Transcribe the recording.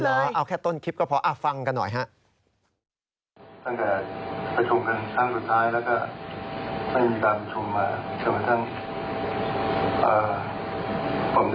เชื่อว่าท่านผมได้รับการศาสตร์ในวันจุดห่วง